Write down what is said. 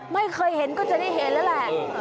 ไม่เคยเห็นก็จะได้เห็นแล้วแหละ